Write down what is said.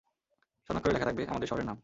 স্বর্ণাক্ষরে লেখা থাকবে, আমাদের শহরের নাম।